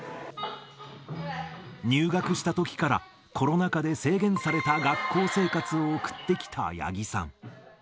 入学したときからコロナ禍で制限された学校生活を送ってきた八木さん。